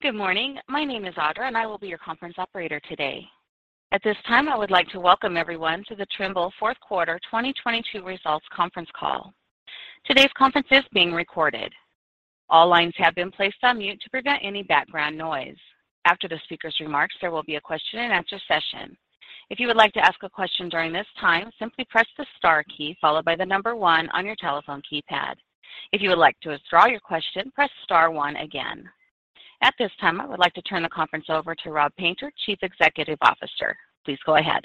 Good morning. My name is Audra, and I will be your conference operator today. At this time, I would like to welcome everyone to the Trimble Q4 2022 Results Conference Call. Today's conference is being recorded. All lines have been placed on mute to prevent any background noise. After the speaker's remarks, there will be a question-and-answer session. If you would like to ask a question during this time, simply press the star key followed by the number one on your telephone keypad. If you would like to withdraw your question, press star one again. At this time, I would like to turn the conference over to Rob Painter, Chief Executive Officer. Please go ahead.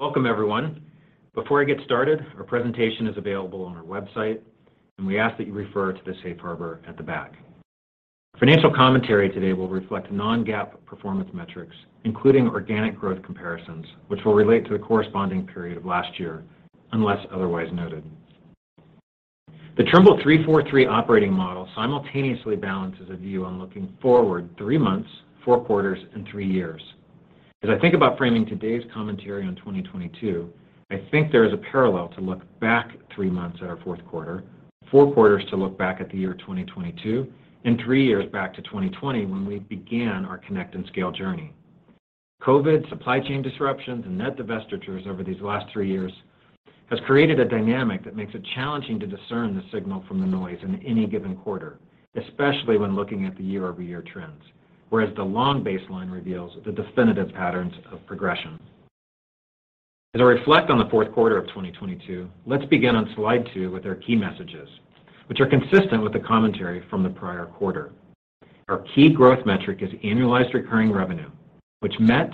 Welcome, everyone. Before I get started, our presentation is available on our website. We ask that you refer to the safe harbor at the back. Financial commentary today will reflect non-GAAP performance metrics, including organic growth comparisons, which will relate to the corresponding period of last year, unless otherwise noted. The Trimble 3-4-3 operating model simultaneously balances a view on looking forward 3 months, Q4, and 3 years. As I think about framing today's commentary on 2022, I think there is a parallel to look back 3 months at our Q4, Q4 to look back at the year 2022, and 3 years back to 2020 when we began our Connect and Scale journey. COVID, supply chain disruptions, and net divestitures over these last 3 years has created a dynamic that makes it challenging to discern the signal from the noise in any given quarter, especially when looking at the year-over-year trends. Whereas the long baseline reveals the definitive patterns of progression. As I reflect on the Q4 of 2022, let's begin on slide 2 with our key messages, which are consistent with the commentary from the prior quarter. Our key growth metric is annualized recurring revenue, which met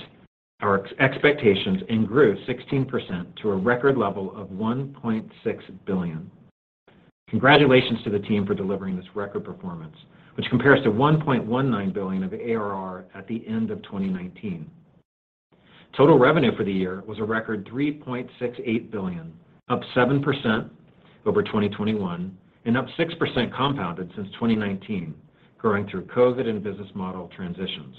our expectations and grew 16% to a record level of $1.6 billion. Congratulations to the team for delivering this record performance, which compares to $1.19 billion of ARR at the end of 2019. Total revenue for the year was a record $3.68 billion, up 7% over 2021 and up 6% compounded since 2019, growing through COVID and business model transitions.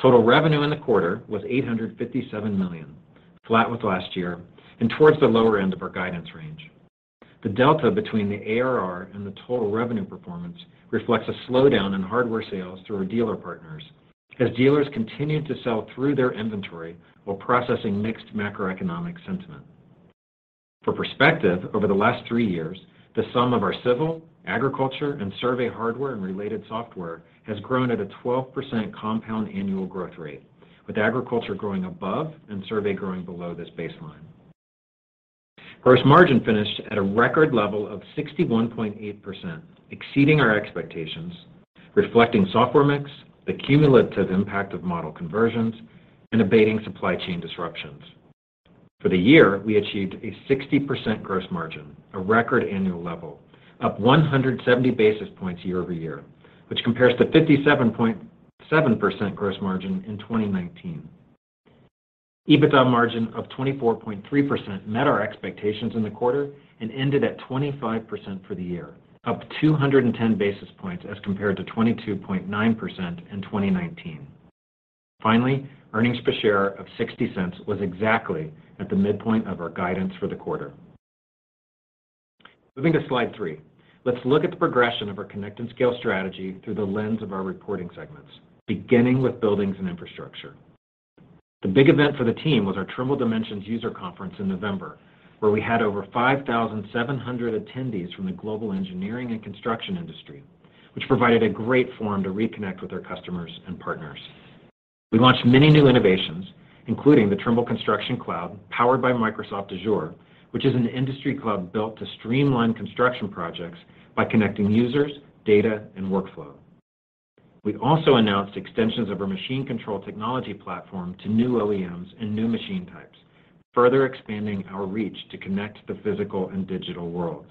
Total revenue in the quarter was $857 million, flat with last year and towards the lower end of our guidance range. The delta between the ARR and the total revenue performance reflects a slowdown in hardware sales through our dealer partners as dealers continued to sell through their inventory while processing mixed macroeconomic sentiment. For perspective, over the last 3 years, the sum of our civil, agriculture, and survey hardware and related software has grown at a 12% compound annual growth rate, with agriculture growing above and survey growing below this baseline. Gross margin finished at a record level of 61.8%, exceeding our expectations, reflecting software mix, the cumulative impact of model conversions, and abating supply chain disruptions. For the year, we achieved a 60% gross margin, a record annual level, up 170 basis points year-over-year, which compares to 57.7% gross margin in 2019. EBITDA margin of 24.3% met our expectations in the quarter and ended at 25% for the year, up 210 basis points as compared to 22.9% in 2019. Finally, earnings per share of $0.60 was exactly at the midpoint of our guidance for the quarter. Moving to slide 3, let's look at the progression of our Connect and Scale strategy through the lens of our reporting segments, beginning with buildings and infrastructure. The big event for the team was our Trimble Dimensions user conference in November, where we had over 5,700 attendees from the global engineering and construction industry, which provided a great forum to reconnect with our customers and partners. We launched many new innovations, including the Trimble Construction Cloud, powered by Microsoft Azure, which is an industry cloud built to streamline construction projects by connecting users, data, and workflow. We also announced extensions of our machine control technology platform to new OEMs and new machine types, further expanding our reach to connect the physical and digital worlds.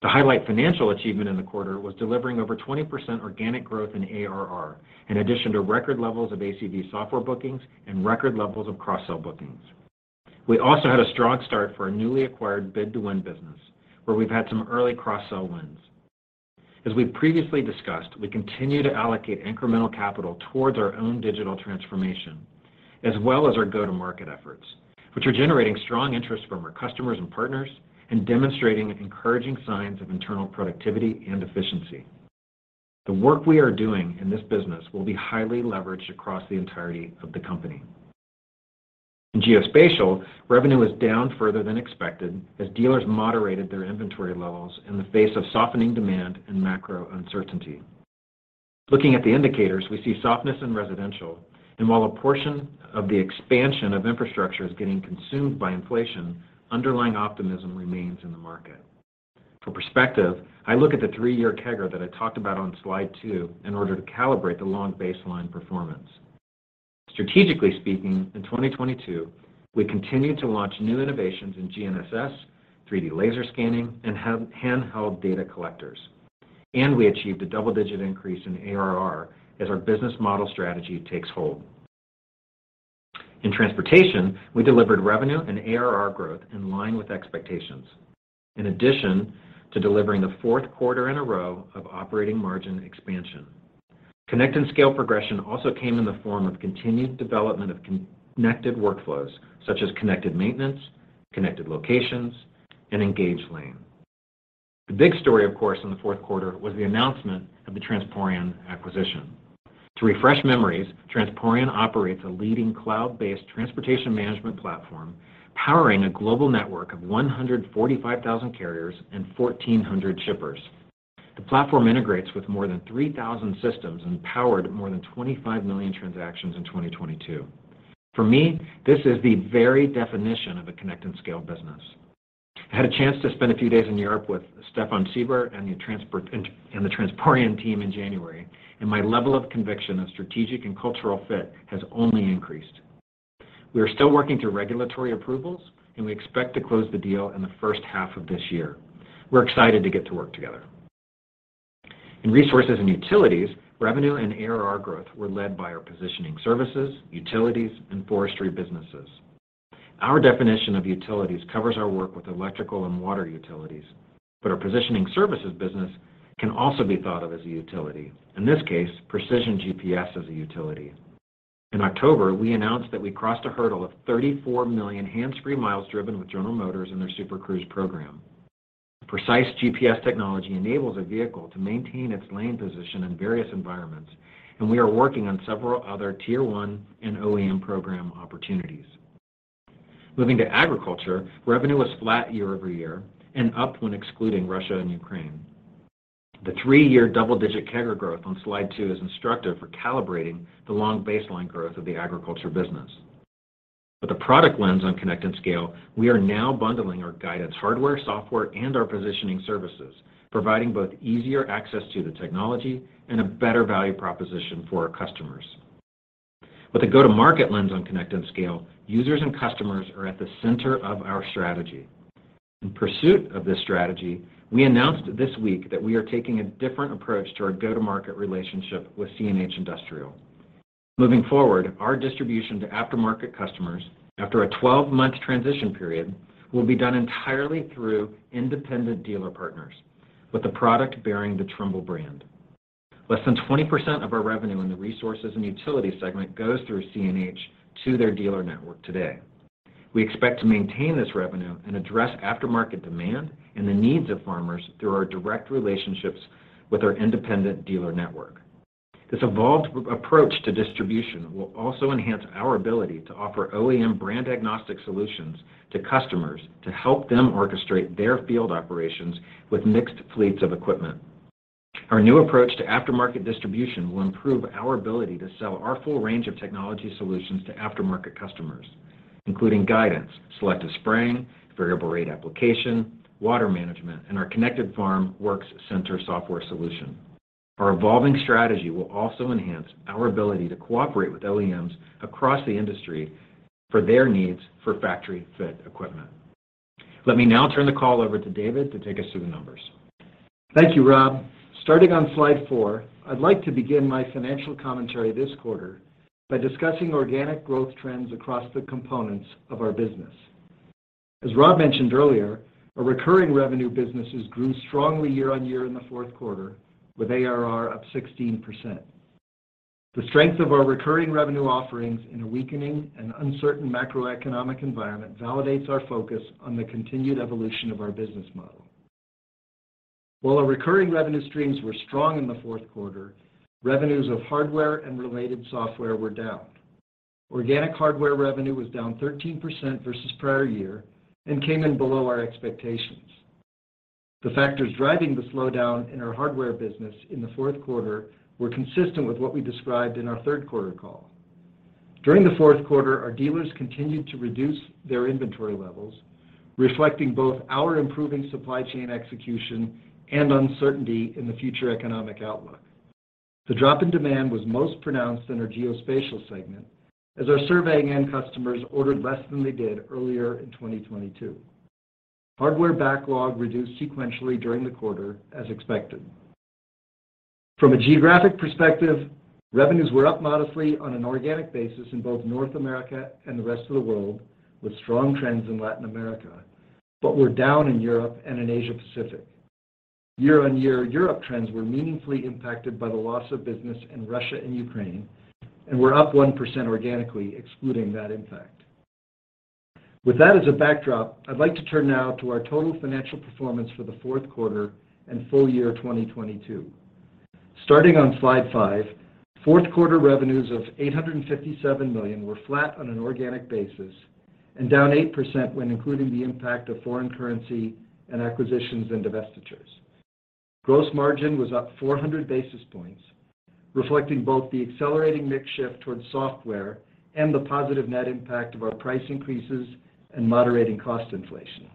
The highlight financial achievement in the quarter was delivering over 20% organic growth in ARR, in addition to record levels of ACV software bookings and record levels of cross-sell bookings. We also had a strong start for our newly acquired B2W business, where we've had some early cross-sell wins. As we've previously discussed, we continue to allocate incremental capital towards our own digital transformation, as well as our go-to-market efforts, which are generating strong interest from our customers and partners and demonstrating encouraging signs of internal productivity and efficiency. The work we are doing in this business will be highly leveraged across the entirety of the company. In geospatial, revenue is down further than expected as dealers moderated their inventory levels in the face of softening demand and macro uncertainty. Looking at the indicators, we see softness in residential, and while a portion of the expansion of infrastructure is getting consumed by inflation, underlying optimism remains in the market. For perspective, I look at the 3-year CAGR that I talked about on slide 2 in order to calibrate the long baseline performance. Strategically speaking, in 2022, we continued to launch new innovations in GNSS, 3D laser scanning, and hand-held data collectors, and we achieved a double-digit increase in ARR as our business model strategy takes hold. In transportation, we delivered revenue and ARR growth in line with expectations. In addition to delivering the Q4in a row of operating margin expansion. Connect and Scale progression also came in the form of continued development of connected workflows, such as Connected Maintenance, Connected Locations, and Engage Lane. The big story, of course, in the Q4 was the announcement of the Transporeon acquisition. To refresh memories, Transporeon operates a leading cloud-based transportation management platform, powering a global network of 145,000 carriers and 1,400 shippers. The platform integrates with more than 3,000 systems and powered more than 25 million transactions in 2022. For me, this is the very definition of a Connect and Scale business. I had a chance to spend a few days in Europe with Stephan Sieber and the Transporeon team in January, my level of conviction of strategic and cultural fit has only increased. We are still working through regulatory approvals, we expect to close the deal in the first half of this year. We're excited to get to work together. In resources and utilities, revenue and ARR growth were led by our positioning services, utilities, and forestry businesses. Our definition of utilities covers our work with electrical and water utilities, our positioning services business can also be thought of as a utility, in this case precision GPS as a utility. In October, we announced that we crossed a hurdle of 34 million hands-free miles driven with General Motors in their Super Cruise program. Precise GPS technology enables a vehicle to maintain its lane position in various environments, and we are working on several other Tier One and OEM program opportunities. Moving to agriculture, revenue was flat year-over-year and up when excluding Russia and Ukraine. The 3-year double-digit CAGR growth on Slide 2 is instructive for calibrating the long baseline growth of the agriculture business. With a product lens on Connect and Scale, we are now bundling our guidance hardware, software, and our positioning services, providing both easier access to the technology and a better value proposition for our customers. With a go-to-market lens on Connect and Scale, users and customers are at the center of our strategy. In pursuit of this strategy, we announced this week that we are taking a different approach to our go-to-market relationship with CNH Industrial. Moving forward, our distribution to aftermarket customers after a 12-month transition period will be done entirely through independent dealer partners with the product bearing the Trimble brand. Less than 20% of our revenue in the resources and utility segment goes through CNH to their dealer network today. We expect to maintain this revenue and address aftermarket demand and the needs of farmers through our direct relationships with our independent dealer network. This evolved approach to distribution will also enhance our ability to offer OEM brand agnostic solutions to customers to help them orchestrate their field operations with mixed fleets of equipment. Our new approach to aftermarket distribution will improve our ability to sell our full range of technology solutions to aftermarket customers, including guidance, selective spraying, variable rate application, water management, and our Connected Farm Works Center software solution. Our evolving strategy will also enhance our ability to cooperate with OEMs across the industry for their needs for factory-fit equipment. Let me now turn the call over to David to take us through the numbers. Thank you, Rob. Starting on slide four, I'd like to begin my financial commentary this quarter by discussing organic growth trends across the components of our business. As Rob mentioned earlier, our recurring revenue businesses grew strongly year-on-year in the Q4 with ARR up 16%. The strength of our recurring revenue offerings in a weakening and uncertain macroeconomic environment validates our focus on the continued evolution of our business model. While our recurring revenue streams were strong in the Q4, revenues of hardware and related software were down. Organic hardware revenue was down 13% versus prior year and came in below our expectations. The factors driving the slowdown in our hardware business in the Q4 were consistent with what we described in our Q3 call. During the Q4, our dealers continued to reduce their inventory levels, reflecting both our improving supply chain execution and uncertainty in the future economic outlook. The drop in demand was most pronounced in our geospatial segment as our surveying end customers ordered less than they did earlier in 2022. Hardware backlog reduced sequentially during the quarter as expected. From a geographic perspective, revenues were up modestly on an organic basis in both North America and the rest of the world, with strong trends in Latin America, but were down in Europe and in Asia Pacific. Year-on-year, Europe trends were meaningfully impacted by the loss of business in Russia and Ukraine, and were up 1% organically, excluding that impact. With that as a backdrop, I'd like to turn now to our total financial performance for the Q4 and full year 2022. Starting on slide 5, Q4 revenues of $857 million were flat on an organic basis and down 8% when including the impact of foreign currency and acquisitions and divestitures. Gross margin was up 400 basis points, reflecting both the accelerating mix shift towards software and the positive net impact of our price increases and moderating cost inflation.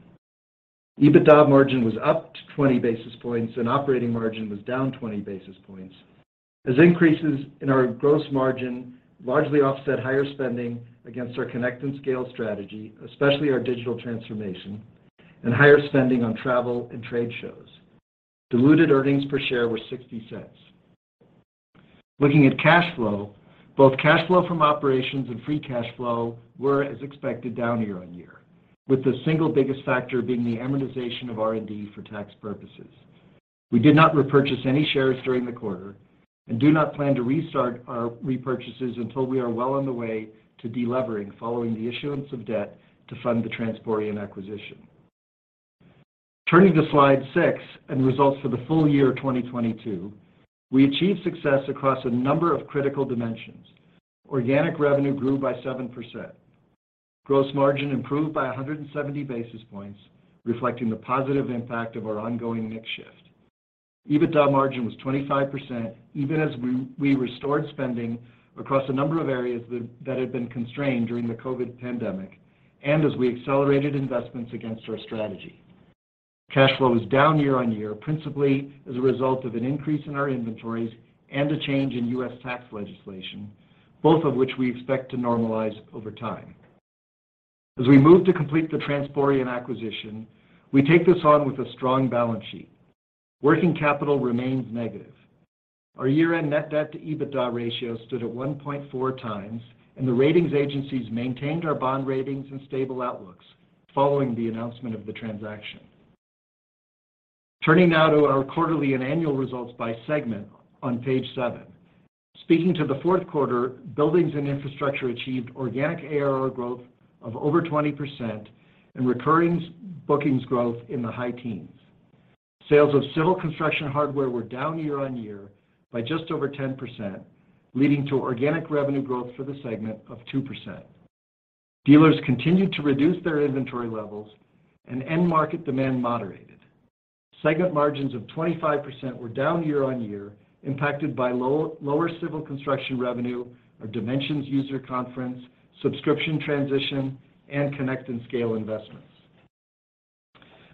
EBITDA margin was up to 20 basis points, and operating margin was down 20 basis points as increases in our gross margin largely offset higher spending against our Connect and Scale strategy, especially our digital transformation, and higher spending on travel and trade shows. Diluted earnings per share were $0.60. Looking at cash flow, both cash flow from operations and free cash flow were, as expected, down year-on-year, with the single biggest factor being the amortization of R&D for tax purposes. We did not repurchase any shares during the quarter and do not plan to restart our repurchases until we are well on the way to de-levering following the issuance of debt to fund the Transporeon acquisition. Turning to Slide 6 and results for the full year 2022, we achieved success across a number of critical dimensions. Organic revenue grew by 7%. Gross margin improved by 170 basis points, reflecting the positive impact of our ongoing mix shift. EBITDA margin was 25%, even as we restored spending across a number of areas that had been constrained during the COVID pandemic and as we accelerated investments against our strategy. Cash flow was down year-over-year, principally as a result of an increase in our inventories and a change in U.S. tax legislation, both of which we expect to normalize over time. As we move to complete the Transporeon acquisition, we take this on with a strong balance sheet. Working capital remains negative. Our year-end net debt to EBITDA ratio stood at 1.4 times, and the ratings agencies maintained our bond ratings and stable outlooks following the announcement of the transaction. Turning now to our quarterly and annual results by segment on page 7. Speaking to the Q4, Buildings and Infrastructure achieved organic ARR growth of over 20% and recurring bookings growth in the high teens. Sales of civil construction hardware were down year-on-year by just over 10%, leading to organic revenue growth for the segment of 2%. Dealers continued to reduce their inventory levels and end market demand moderated. Segment margins of 25% were down year-on-year, impacted by lower civil construction revenue, our Trimble Dimensions user conference, subscription transition, and Connect and Scale investments.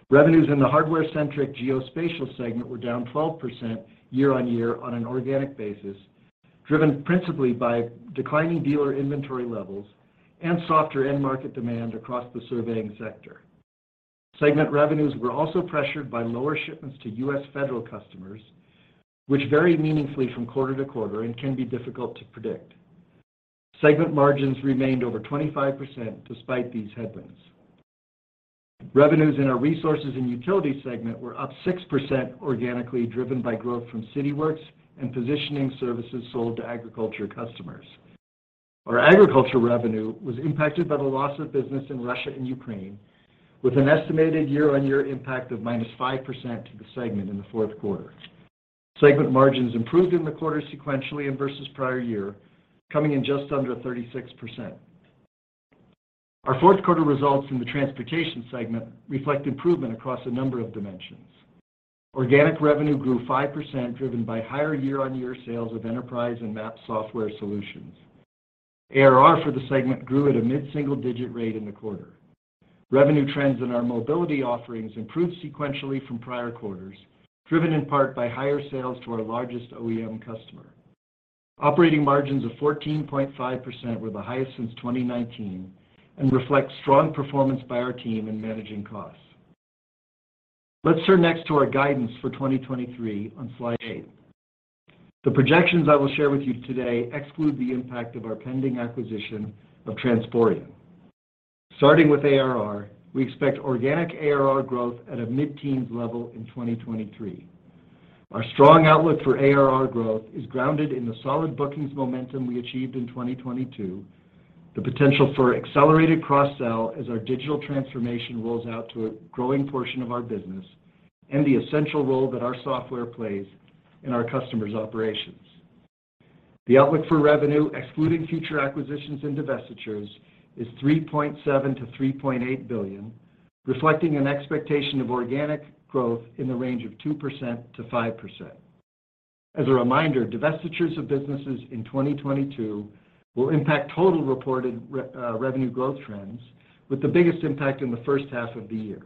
Revenues in the hardware-centric geospatial segment were down 12% year-on-year on an organic basis, driven principally by declining dealer inventory levels and softer end market demand across the surveying sector. Segment revenues were also pressured by lower shipments to U.S. federal customers, which vary meaningfully from quarter-to-quarter and can be difficult to predict. Segment margins remained over 25% despite these headwinds. Revenues in our resources and utility segment were up 6% organically, driven by growth from Cityworks and positioning services sold to agriculture customers. Our agriculture revenue was impacted by the loss of business in Russia and Ukraine with an estimated year-on-year impact of -5% to the segment in the Q4. Segment margins improved in the quarter sequentially and versus prior year, coming in just under 36%. Our Q4 results in the transportation segment reflect improvement across a number of dimensions. Organic revenue grew 5%, driven by higher year-over-year sales of enterprise and map software solutions. ARR for the segment grew at a mid-single-digit rate in the quarter. Revenue trends in our mobility offerings improved sequentially from prior quarters, driven in part by higher sales to our largest OEM customer. Operating margins of 14.5% were the highest since 2019 and reflect strong performance by our team in managing costs. Let's turn next to our guidance for 2023 on slide 8. The projections I will share with you today exclude the impact of our pending acquisition of Transporeon. Starting with ARR, we expect organic ARR growth at a mid-teens level in 2023. Our strong outlook for ARR growth is grounded in the solid bookings momentum we achieved in 2022, the potential for accelerated cross-sell as our digital transformation rolls out to a growing portion of our business, and the essential role that our software plays in our customers' operations. The outlook for revenue, excluding future acquisitions and divestitures, is $3.7 billion-$3.8 billion, reflecting an expectation of organic growth in the range of 2%-5%. As a reminder, divestitures of businesses in 2022 will impact total reported revenue growth trends with the biggest impact in the first half of the year.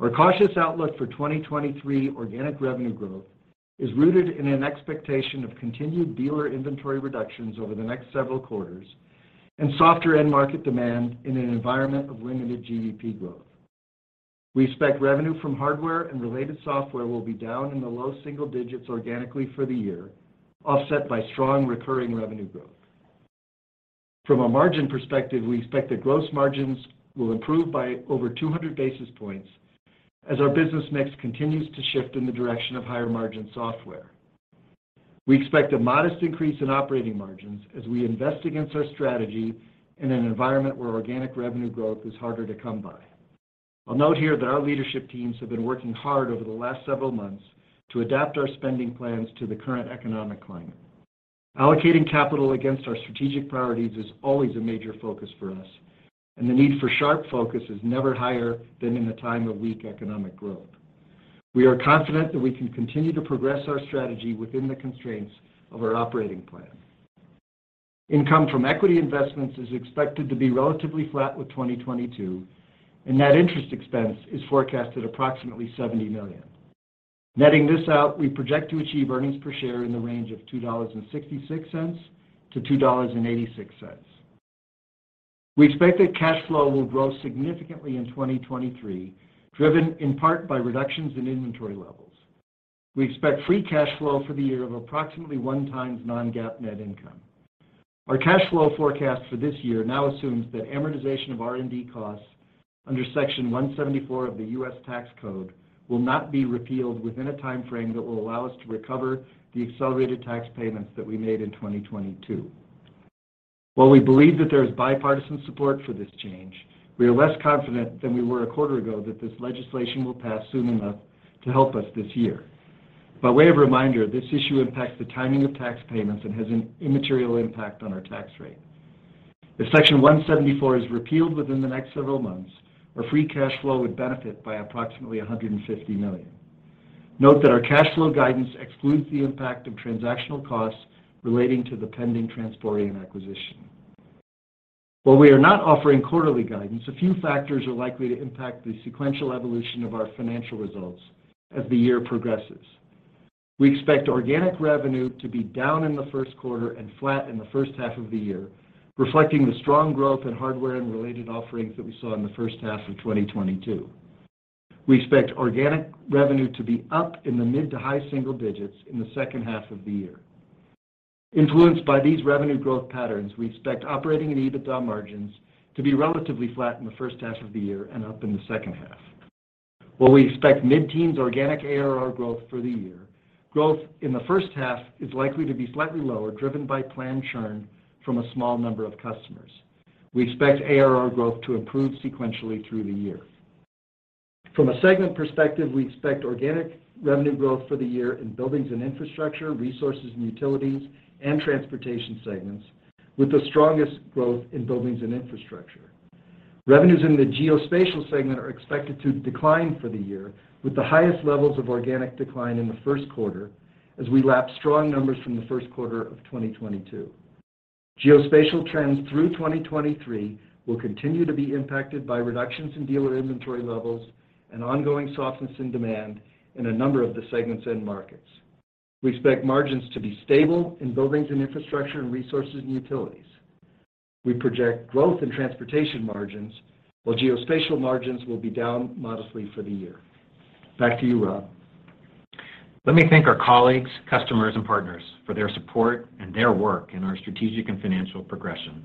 Our cautious outlook for 2023 organic revenue growth is rooted in an expectation of continued dealer inventory reductions over the next several quarters and softer end market demand in an environment of limited GDP growth. We expect revenue from hardware and related software will be down in the low single digits organically for the year, offset by strong recurring revenue growth. From a margin perspective, we expect that gross margins will improve by over 200 basis points as our business mix continues to shift in the direction of higher margin software. We expect a modest increase in operating margins as we invest against our strategy in an environment where organic revenue growth is harder to come by. I'll note here that our leadership teams have been working hard over the last several months to adapt our spending plans to the current economic climate. Allocating capital against our strategic priorities is always a major focus for us, and the need for sharp focus is never higher than in a time of weak economic growth. We are confident that we can continue to progress our strategy within the constraints of our operating plan. Income from equity investments is expected to be relatively flat with 2022. Net interest expense is forecasted approximately $70 million. Netting this out, we project to achieve earnings per share in the range of $2.66-$2.86. We expect that cash flow will grow significantly in 2023, driven in part by reductions in inventory levels. We expect free cash flow for the year of approximately 1 times non-GAAP net income. Our cash flow forecast for this year now assumes that amortization of R&D costs under Section 174 of the US Tax Code will not be repealed within a time frame that will allow us to recover the accelerated tax payments that we made in 2022. While we believe that there is bipartisan support for this change, we are less confident than we were a quarter ago that this legislation will pass soon enough to help us this year. By way of reminder, this issue impacts the timing of tax payments and has an immaterial impact on our tax rate. If Section 174 is repealed within the next several months, our free cash flow would benefit by approximately $150 million. Note that our cash flow guidance excludes the impact of transactional costs relating to the pending Transporeon acquisition. While we are not offering quarterly guidance, a few factors are likely to impact the sequential evolution of our financial results as the year progresses. We expect organic revenue to be down in the Q1 and flat in the first half of the year, reflecting the strong growth in hardware and related offerings that we saw in the first half of 2022. We expect organic revenue to be up in the mid to high single digits in the second half of the year. Influenced by these revenue growth patterns, we expect operating and EBITDA margins to be relatively flat in the first half of the year and up in the second half. While we expect mid-teens organic ARR growth for the year, growth in the first half is likely to be slightly lower, driven by planned churn from a small number of customers. We expect ARR growth to improve sequentially through the year. From a segment perspective, we expect organic revenue growth for the year in buildings and infrastructure, resources and utilities, and transportation segments, with the strongest growth in buildings and infrastructure. Revenues in the geospatial segment are expected to decline for the year, with the highest levels of organic decline in the first quarter as we lap strong numbers from the Q1 of 2022. Geospatial trends through 2023 will continue to be impacted by reductions in dealer inventory levels and ongoing softness in demand in a number of the segment's end markets. We expect margins to be stable in buildings and infrastructure and resources and utilities. We project growth in transportation margins, while geospatial margins will be down modestly for the year. Back to you, Rob. Let me thank our colleagues, customers, and partners for their support and their work in our strategic and financial progression.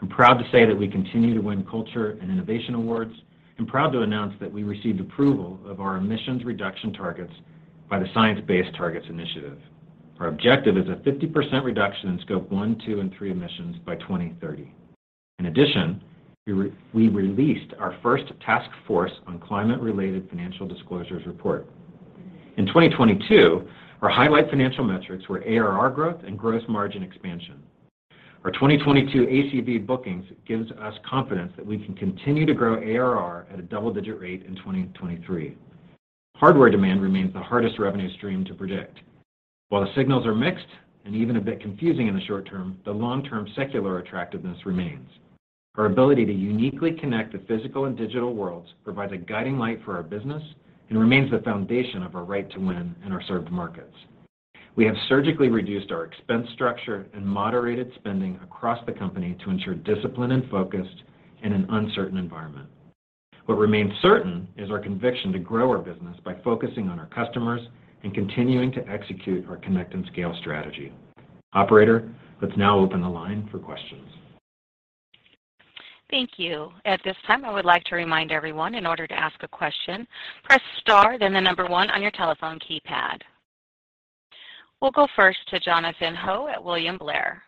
I'm proud to say that we continue to win culture and innovation awards, and proud to announce that we received approval of our emissions reduction targets by the Science Based Targets initiative. Our objective is a 50% reduction in Scope 1, 2, and 3 emissions by 2030. In addition, we released our first Task Force on Climate-related Financial Disclosures report. In 2022, our highlight financial metrics were ARR growth and gross margin expansion. Our 2022 ACV bookings gives us confidence that we can continue to grow ARR at a double-digit rate in 2023. Hardware demand remains the hardest revenue stream to predict. While the signals are mixed and even a bit confusing in the short term, the long-term secular attractiveness remains. Our ability to uniquely connect the physical and digital worlds provides a guiding light for our business and remains the foundation of our right to win in our served markets. We have surgically reduced our expense structure and moderated spending across the company to ensure discipline and focus in an uncertain environment. What remains certain is our conviction to grow our business by focusing on our customers and continuing to execute our Connect and Scale strategy. Operator, let's now open the line for questions. Thank you. At this time, I would like to remind everyone, in order to ask a question, press star then the number one on your telephone keypad. We'll go first to Jonathan Ho at William Blair.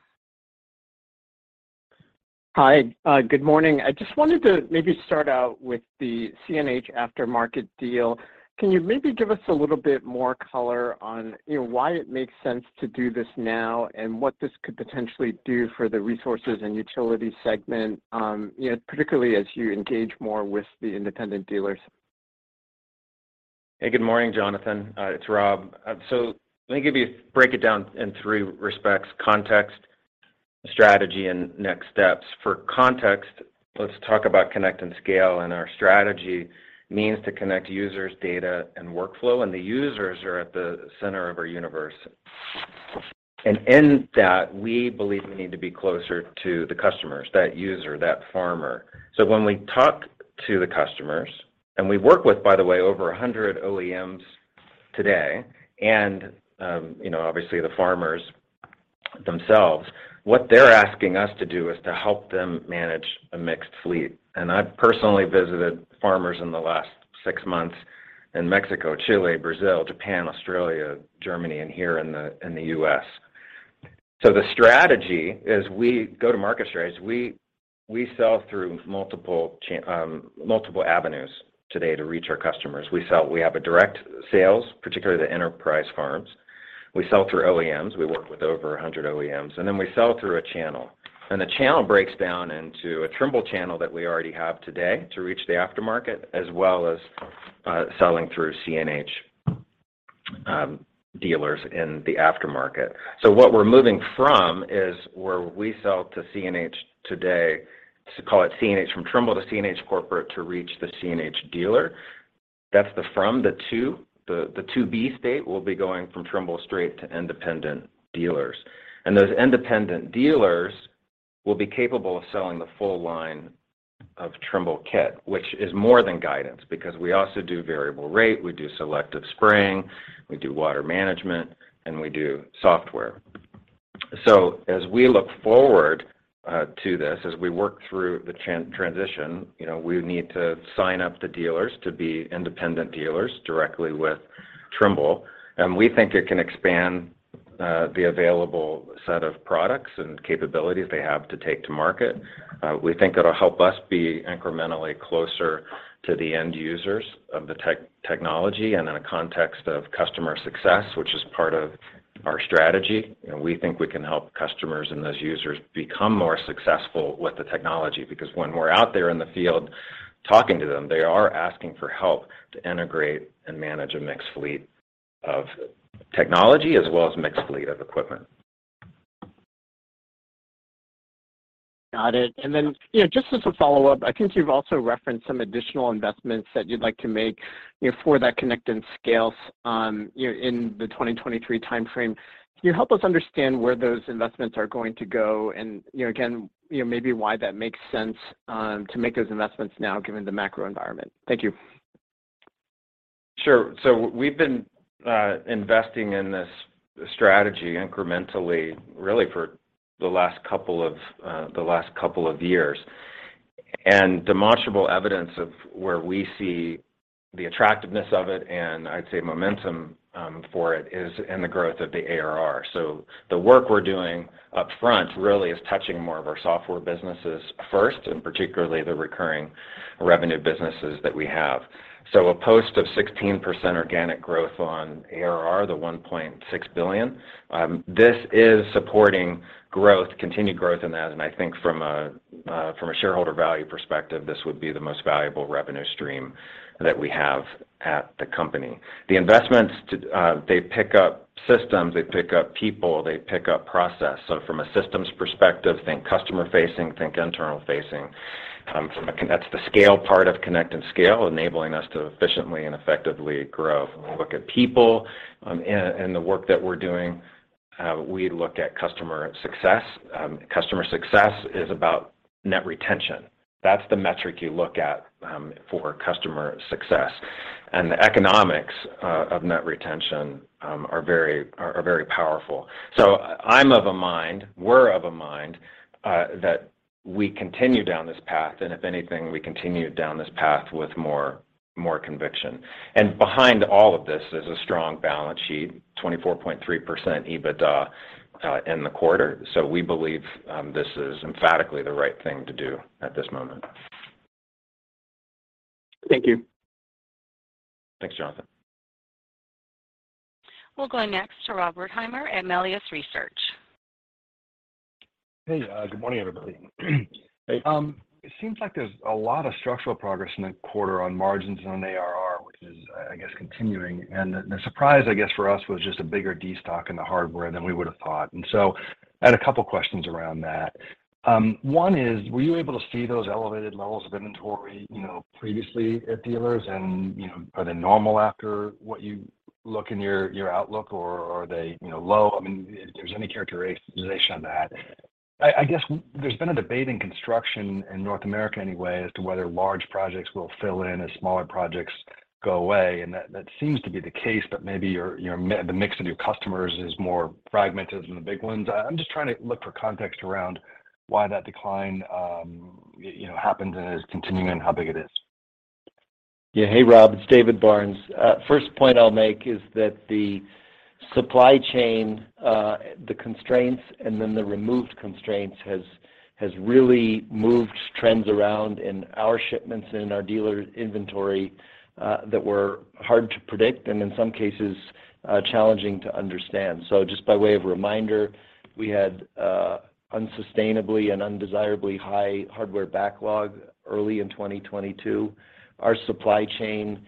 Hi. Good morning. I just wanted to maybe start out with the CNH aftermarket deal. Can you maybe give us a little bit more color on, you know, why it makes sense to do this now and what this could potentially do for the resources and utility segment, you know, particularly as you engage more with the independent dealers? Hey, good morning, Jonathan. It's Rob. Let me break it down in 3 respects: context, strategy, and next steps. For context, let's talk about Connect and Scale. Our strategy means to connect users, data, and workflow. The users are at the center of our universe. In that, we believe we need to be closer to the customers, that user, that farmer. When we talk to the customers, we work with, by the way, over 100 OEMs today, you know, obviously the farmers themselves, wh at they're asking us to do is to help them manage a mixed fleet. I've personally visited farmers in the last 6 months in Mexico, Chile, Brazil, Japan, Australia, Germany, and here in the U.S. The strategy is we go to market strategies. We sell through multiple avenues today to reach our customers. We have a direct sales, particularly the enterprise farms. We sell through OEMs. We work with over 100 OEMs, and then we sell through a channel. The channel breaks down into a Trimble channel that we already have today to reach the aftermarket, as well as, selling through CNH dealers in the aftermarket. What we're moving from is where we sell to CNH today, let's call it CNH from Trimble to CNH Corporate to reach the CNH dealer. That's the from. The to-be state, we'll be going from Trimble straight to independent dealers. Those independent dealers will be capable of selling the full line of Trimble kit, which is more than guidance because we also do variable rate, we do selective spraying, we do water management, and we do software. As we look forward to this, as we work through the transition, you know, we need to sign up the dealers to be independent dealers directly with Trimble. We think it can expand the available set of products and capabilities they have to take to market. We think it'll help us be incrementally closer to the end users of the technology and in a context of customer success, which is part of our strategy. You know, we think we can help customers and those users become more successful with the technology, because when we're out there in the field talking to them, they are asking for help to integrate and manage a mixed fleet of technology as well as a mixed fleet of equipment. Got it. You know, just as a follow-up, I think you've also referenced some additional investments that you'd like to make, you know, for that Connect and Scale, you know, in the 2023 timeframe. Can you help us understand where those investments are going to go and, you know, again, you know, maybe why that makes sense to make those investments now given the macro environment? Thank you. Sure. We've been investing in this strategy incrementally really for the last couple of the last couple of years. Demonstrable evidence of where we see the attractiveness of it and I'd say momentum for it is in the growth of the ARR. The work we're doing up front really is touching more of our software businesses first, and particularly the recurring revenue businesses that we have. A post of 16% organic growth on ARR, the $1.6 billion, this is supporting growth, continued growth in that. I think from a from a shareholder value perspective, this would be the most valuable revenue stream that we have at the company. The investments, to, they pick up systems, they pick up people, they pick up process. From a systems perspective, think customer-facing, think internal-facing. That's the scale part of Connect and Scale, enabling us to efficiently and effectively grow. When we look at people, and the work that we're doing, we look at customer success. Customer success is about net retention. That's the metric you look at for customer success. The economics of net retention are very, are very powerful. I'm of a mind, we're of a mind that we continue down this path, and if anything, we continue down this path with more conviction. Behind all of this, there's a strong balance sheet, 24.3% EBITDA in the quarter. We believe this is emphatically the right thing to do at this moment. Thank you. Thanks, Jonathan. We'll go next to Rob Wertheimer at Melius Research. Hey, good morning, everybody. Hey. It seems like there's a lot of structural progress in the quarter on margins and on ARR, which is, I guess, continuing. The surprise, I guess, for us was just a bigger destock in the hardware than we would have thought. I had a couple questions around that. One is, were you able to see those elevated levels of inventory, you know, previously at dealers and, you know, are they normal after what you look in your outlook, or are they, you know, low? I mean, if there's any characterization of that. I guess there's been a debate in construction in North America anyway as to whether large projects will fill in as smaller projects go away. That seems to be the case, but maybe the mix of your customers is more fragmented than the big ones. I'm just trying to look for context around why that decline, you know, happened and is continuing and how big it is. Yeah. Hey, Rob. It's David Barnes. First point I'll make is that the supply chain, the constraints and then the removed constraints has really moved trends around in our shipments and in our dealer inventory, that were hard to predict and in some cases, challenging to understand. Just by way of reminder, we had unsustainably and undesirably high hardware backlog early in 2022. Our supply chain,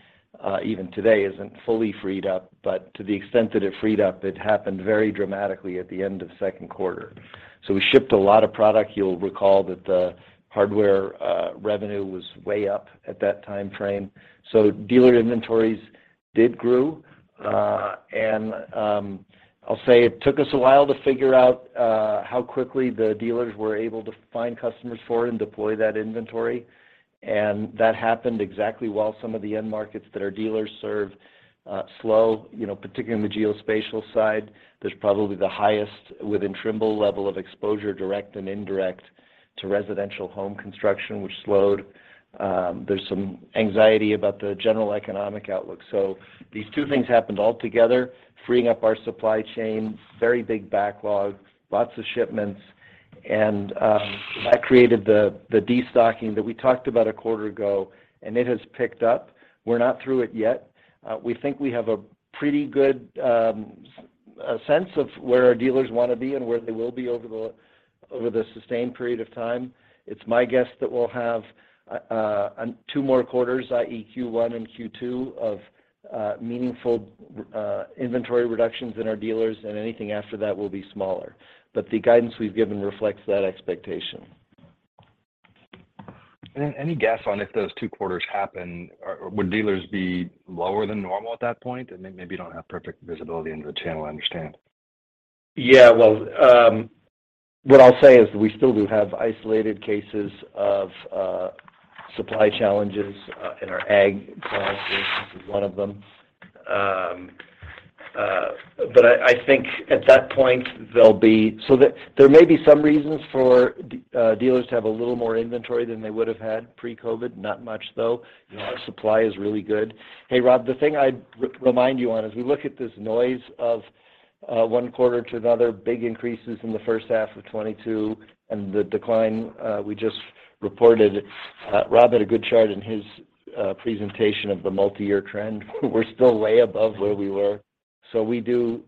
even today isn't fully freed up, but to the extent that it freed up, it happened very dramatically at the end of Q2. We shipped a lot of product. You'll recall that the hardware revenue was way up at that time frame. Dealer inventories did grew. I'll say it took us a while to figure out how quickly the dealers were able to find customers for and deploy that inventory. That happened exactly while some of the end markets that our dealers serve, you know, particularly in the geospatial side. There's probably the highest within Trimble level of exposure, direct and indirect, to residential home construction, which slowed. There's some anxiety about the general economic outlook. These two things happened all together, freeing up our supply chain, very big backlog, lots of shipments, and that created the destocking that we talked about a quarter ago, and it has picked up. We're not through it yet. We think we have a pretty good sense of where our dealers wanna be and where they will be over the, over the sustained period of time. It's my guess that we'll have a, two more quarters, i.e., Q1 and Q2, of, meaningful, inventory reductions in our dealers, and anything after that will be smaller. The guidance we've given reflects that expectation. Any guess on if those Q2 happen, would dealers be lower than normal at that point? Maybe you don't have perfect visibility into the channel, I understand. Yeah. Well, what I'll say is we still do have isolated cases of supply challenges in our ag products. This is one of them. I think at that point there may be some reasons for dealers to have a little more inventory than they would have had pre-COVID. Not much though. Mm-hmm. You know, our supply is really good. Hey, Rob, the thing I'd remind you on, as we look at this noise of, Q1to another, big increases in the first half of 2022 and the decline, we just reported, Rob had a good chart in his presentation of the multi-year trend. We're still way above where we were. We do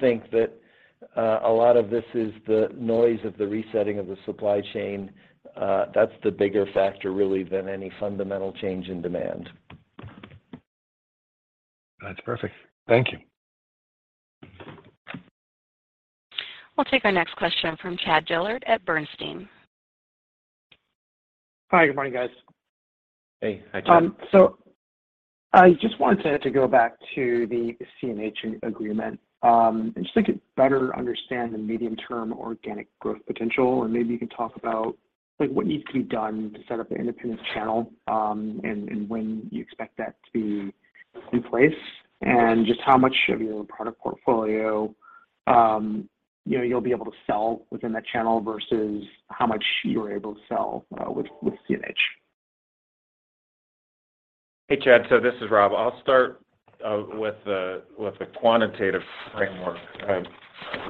think that, a lot of this is the noise of the resetting of the supply chain. That's the bigger factor really than any fundamental change in demand. That's perfect. Thank you. We'll take our next question from Chad Dillard at Bernstein. Hi, good morning, guys. Hey. Hi, Chad. I just wanted to go back to the CNH agreement, and just like better understand the medium-term organic growth potential. Maybe you can talk about like what needs to be done to set up the independent channel, and when you expect that to be in place. Just how much of your product portfolio, you know, you'll be able to sell within that channel versus how much you're able to sell with CNH. Hey, Chad, this is Rob. I'll start with the quantitative framework. I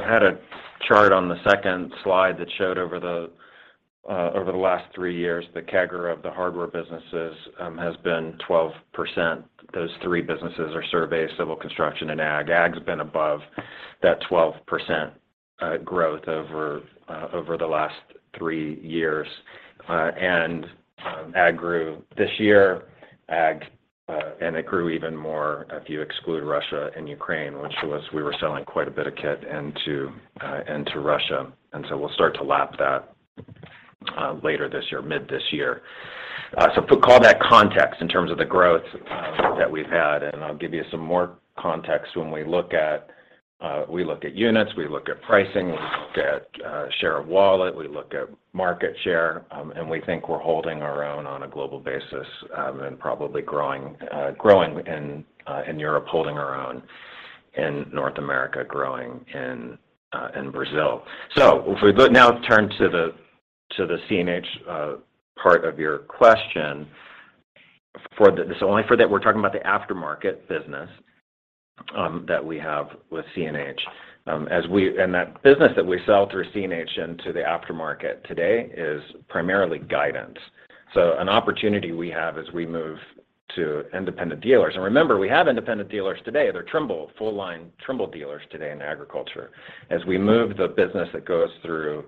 had a chart on the second slide that showed over the last 3 years, the CAGR of the hardware businesses has been 12%. Those 3 businesses are survey, civil construction and ag. Ag's been above that 12% growth over the last 3 years. Ag grew this year. Ag, it grew even more if you exclude Russia and Ukraine, which we were selling quite a bit of kit into Russia. We'll start to lap that later this year, mid this year. Call that context in terms of the growth that we've had, I'll give you some more context. When we look at, we look at units, we look at pricing, we look at, share of wallet, we look at market share. We think we're holding our own on a global basis, and probably growing in Europe, holding our own in North America, growing in Brazil. If we look now turn to the, to the CNH, part of your question. We're talking about the aftermarket business, that we have with CNH. That business that we sell through CNH into the aftermarket today is primarily guidance. An opportunity we have as we move to independent dealers. Remember, we have independent dealers today. They're Trimble, full line Trimble dealers today in agriculture. As we move the business that goes through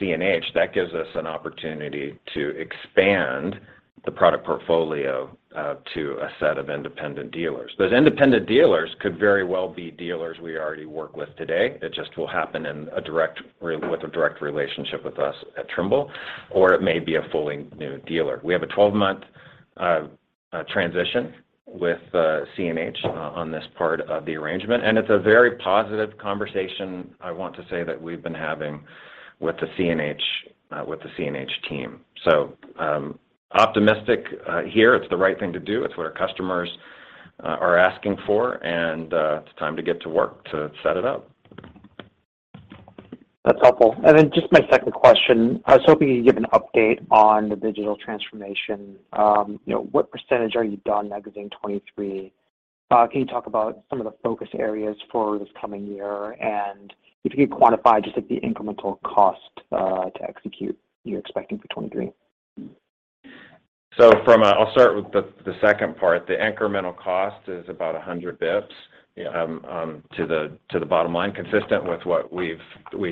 CNH, that gives us an opportunity to expand the product portfolio to a set of independent dealers. Those independent dealers could very well be dealers we already work with today. It just will happen in a direct with a direct relationship with us at Trimble, or it may be a fully new dealer. We have a 12-month transition with CNH on this part of the arrangement, and it's a very positive conversation, I want to say, that we've been having with the CNH with the CNH team. Optimistic here. It's the right thing to do. It's what our customers are asking for, and it's time to get to work to set it up. That's helpful. Just my second question. I was hoping you could give an update on the digital transformation. you know, what % are you done magazine 2023? can you talk about some of the focus areas for this coming year? if you could quantify just like the incremental cost, to execute you're expecting for 2023? I'll start with the second part. The incremental cost is about 100 basis points to the bottom line, consistent with what we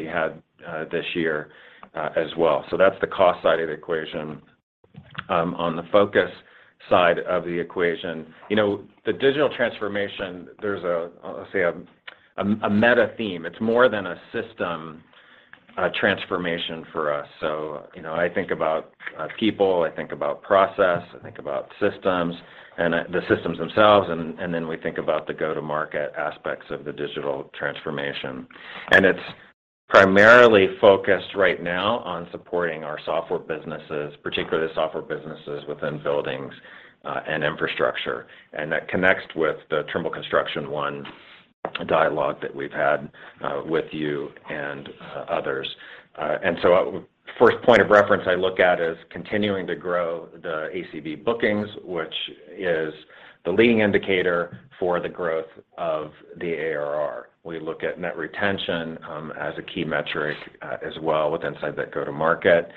had this year as well. That's the cost side of the equation. On the focus side of the equation, you know, the digital transformation, there's a, let's say a meta theme. It's more than a system transformation for us. You know, I think about people, I think about process, I think about systems and the systems themselves, and then we think about the go-to-market aspects of the digital transformation. It's primarily focused right now on supporting our software businesses, particularly the software businesses within buildings and infrastructure. That connects with the Trimble Construction One dialogue that we've had with you and others. First point of reference I look at is continuing to grow the ACV bookings, which is the leading indicator for the growth of the ARR. We look at net retention as a key metric as well with inside that go to market.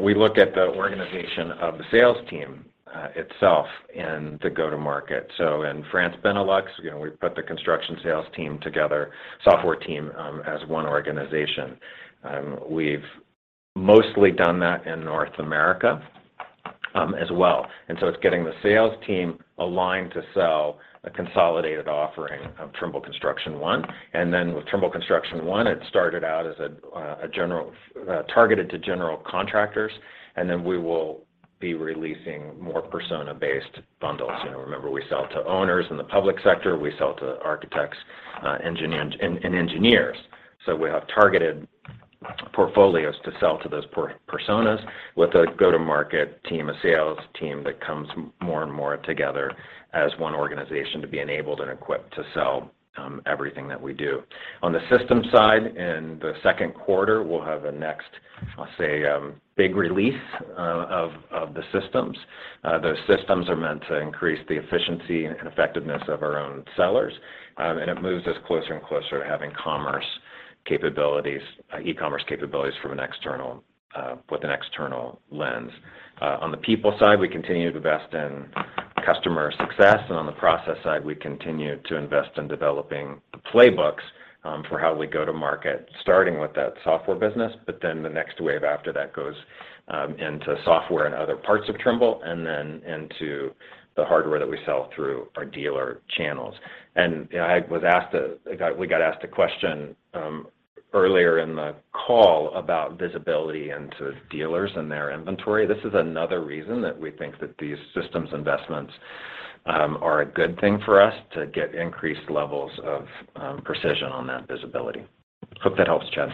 We look at the organization of the sales team itself and the go to market. So in France, Benelux, you know, we put the construction sales team together, software team, as one organization. We've mostly done that in North America as well. It's getting the sales team aligned to sell a consolidated offering of Trimble Construction One. With Trimble Construction One, it started out as a general targeted to general contractors. We will be releasing more persona-based bundles. You know, remember we sell to owners in the public sector, we sell to architects, and engineers. We have targeted portfolios to sell to those personas with a go-to-market team, a sales team that comes more and more together as one organization to be enabled and equipped to sell everything that we do. On the system side, in the Q2, we'll have a next, I'll say, big release of the systems. Those systems are meant to increase the efficiency and effectiveness of our own sellers. It moves us closer and closer to having commerce capabilities, e-commerce capabilities from an external with an external lens. On the people side, we continue to invest in customer success. On the process side, we continue to invest in developing the playbooks, for how we go to market, starting with that software business, but then the next wave after that goes, into software and other parts of Trimble, and then into the hardware that we sell through our dealer channels. You know, I was asked a question, earlier in the call about visibility into dealers and their inventory. This is another reason that we think that these systems investments, are a good thing for us to get increased levels of precision on that visibility. Hope that helps, Chad.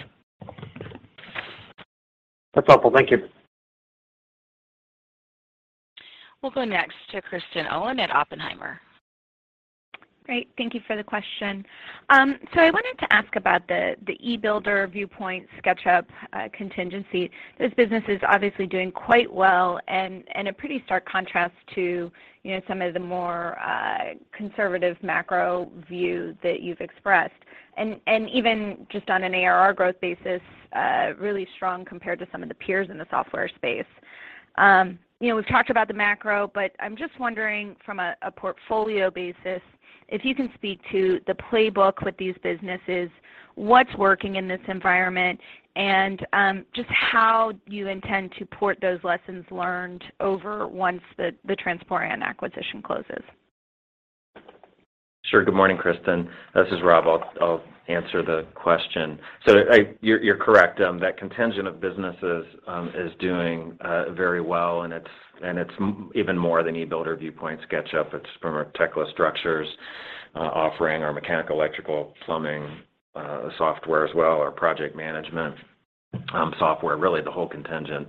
That's helpful. Thank you. We'll go next to Kristen Owen at Oppenheimer. Great. Thank you for the question. I wanted to ask about the e-Builder, Viewpoint, SketchUp, contingency. This business is obviously doing quite well and a pretty stark contrast to, you know, some of the more, conservative macro view that you've expressed. Even just on an ARR growth basis, really strong compared to some of the peers in the software space. You know, we've talked about the macro, I'm just wondering from a portfolio basis, if you can speak to the playbook with these businesses, what's working in this environment, and just how you intend to port those lessons learned over once the Transporeon acquisition closes. Sure. Good morning, Kristen Owen. This is Rob. I'll answer the question. You're correct that contingent of businesses is doing very well, and it's even more than e-Builder, Viewpoint, SketchUp. It's from our Tekla Structures offering, our mechanical, electrical, plumbing software as well, our project management software. Really, the whole contingent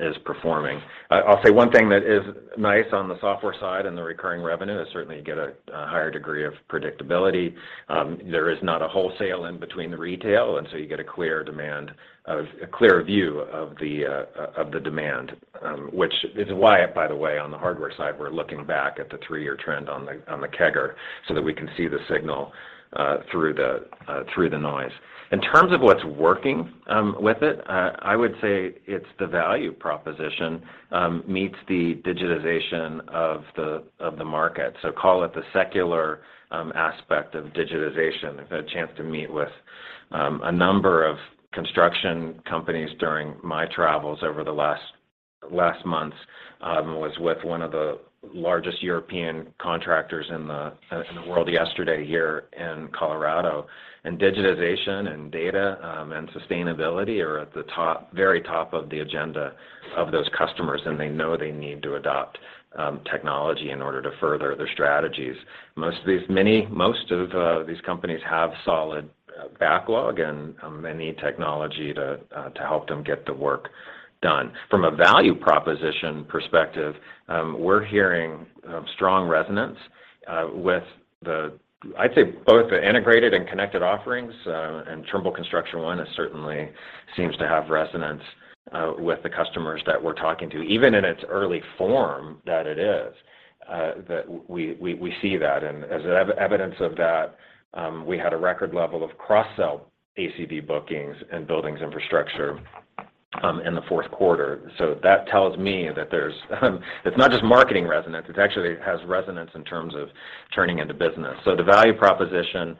is performing. I'll say one thing that is nice on the software side and the recurring revenue is certainly you get a higher degree of predictability. There is not a wholesale in between the retail. You get a clear view of the demand. Which is why, by the way, on the hardware side, we're looking back at the three-year trend on the CAGR so that we can see the signal through the noise. In terms of what's working with it, I would say it's the value proposition meets the digitization of the market. Call it the secular aspect of digitization. I've had a chance to meet with a number of construction companies during my travels over the last months. Was with one of the largest European contractors in the world yesterday here in Colorado. Digitization and data and sustainability are at the top, very top of the agenda of those customers, they know they need to adopt technology in order to further their strategies. Most of these, many, most of these companies have solid backlog and they need technology to help them get the work done. From a value proposition perspective, we're hearing strong resonance with the, I'd say, both the integrated and connected offerings, and Trimble Construction One certainly seems to have resonance with the customers that we're talking to. Even in its early form that it is, that we see that. As evidence of that, we had a record level of cross-sell ACV bookings in buildings infrastructure in the Q4. That tells me that there's, it's not just marketing resonance, it actually has resonance in terms of turning into business. The value proposition,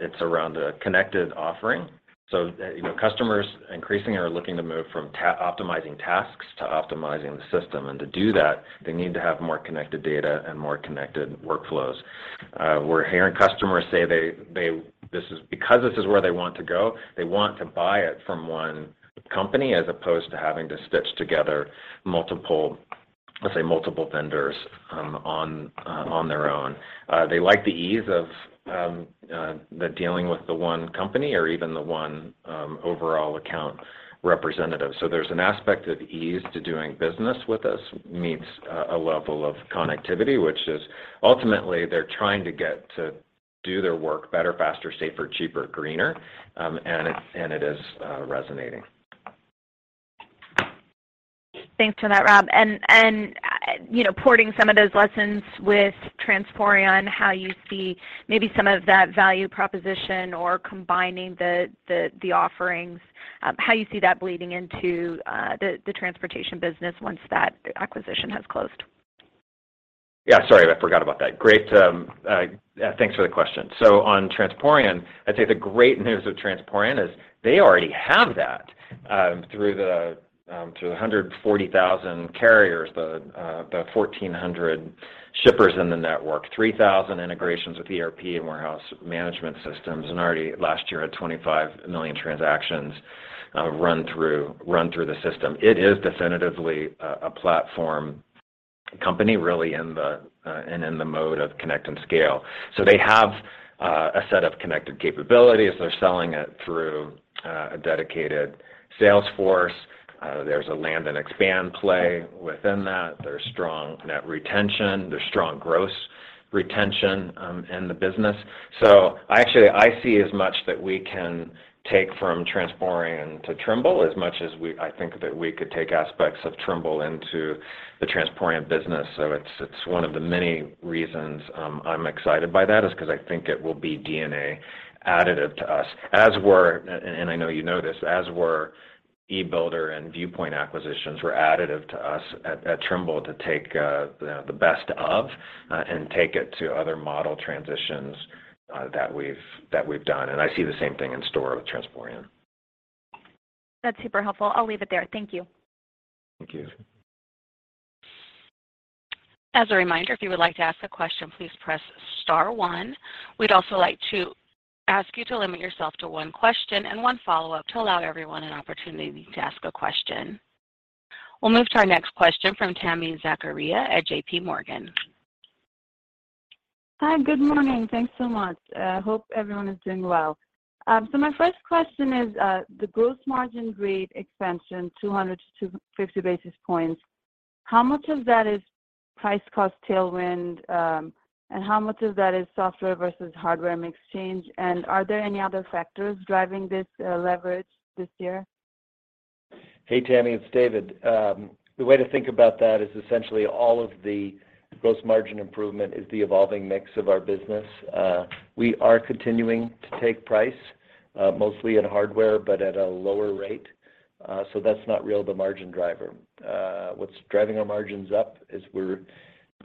it's around a connected offering. You know, customers increasingly are looking to move from optimizing tasks to optimizing the system. To do that, they need to have more connected data and more connected workflows. We're hearing customers say they because this is where they want to go, they want to buy it from one company as opposed to having to stitch together multiple, let's say, multiple vendors on their own. They like the ease of the dealing with the one company or even the one overall account representative. There's an aspect of ease to doing business with us meets a level of connectivity, which is ultimately they're trying to get to do their work better, faster, safer, cheaper, greener, and it is resonating. Thanks for that, Rob. You know, porting some of those lessons with Transporeon, how you see maybe some of that value proposition or combining the offerings, how you see that bleeding into the transportation business once that acquisition has closed. Yeah, sorry, I forgot about that. Great, yeah, thanks for the question. On Transporeon, I'd say the great news with Transporeon is they already have that through the 140,000 carriers, the 1,400 shippers in the network, 3,000 integrations with ERP and warehouse management systems, and already last year at 25 million transactions run through the system. It is definitively a platform. A company really in the mode of Connect and Scale. They have a set of connected capabilities. They're selling it through a dedicated sales force. There's a land and expand play within that. There's strong net retention. There's strong gross retention in the business. Actually, I see as much that we can take from Transporeon to Trimble as much as I think that we could take aspects of Trimble into the Transporeon business. It's one of the many reasons, I'm excited by that is because I think it will be DNA additive to us as were, and I know you know this, as were e-Builder and Viewpoint acquisitions were additive to us at Trimble to take the best of, and take it to other model transitions, that we've done. I see the same thing in store with Transporeon. That's super helpful. I'll leave it there. Thank you. Thank you. As a reminder, if you would like to ask a question, please press star one. We'd also like to ask you to limit yourself to one question and one follow-up to allow everyone an opportunity to ask a question. We'll move to our next question from Tami Zakaria at JP Morgan. Hi. Good morning. Thanks so much. hope everyone is doing well. My first question is the gross margin rate expansion, 200-250 basis points, how much of that is price cost tailwind, how much of that is software versus hardware mix change? Are there any other factors driving this leverage this year? Hey, Tami, it's David. The way to think about that is essentially all of the gross margin improvement is the evolving mix of our business. We are continuing to take price, mostly in hardware, but at a lower rate. That's not real the margin driver. What's driving our margins up is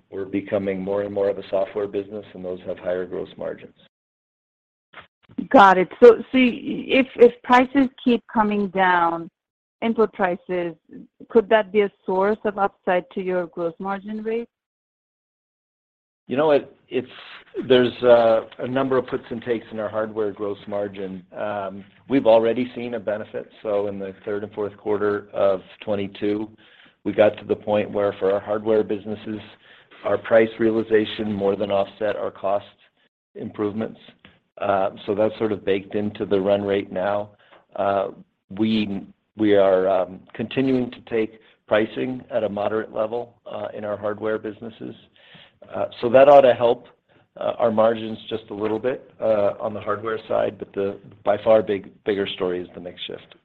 we're becoming more and more of a software business, and those have higher gross margins. Got it. If prices keep coming down, input prices, could that be a source of upside to your gross margin rate? You know what? It's a number of puts and takes in our hardware gross margin. We've already seen a benefit. In the third and fourth quarter of 2022, we got to the point where for our hardware businesses, our price realization more than offset our cost improvements. That's sort of baked into the run rate now. We are continuing to take pricing at a moderate level in our hardware businesses. That ought to help our margins just a little bit on the hardware side. The by far bigger story is the mix shift.